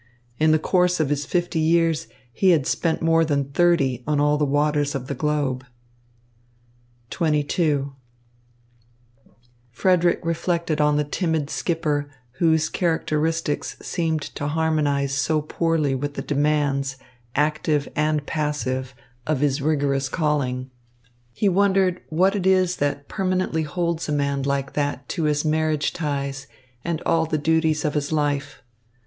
In the course of his fifty years, he had spent more than thirty on all the waters of the globe. XXII Frederick reflected upon the timid skipper, whose characteristics seemed to harmonise so poorly with the demands, active and passive, of his rigorous calling. He wondered what it is that permanently holds a man like that to his marriage ties and all the duties of his life.